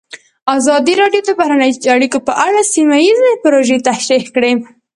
ازادي راډیو د بهرنۍ اړیکې په اړه سیمه ییزې پروژې تشریح کړې.